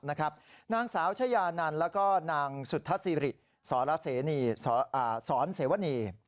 นางสาวชายานันแล้วก็นางสุธสิริสรเสวนี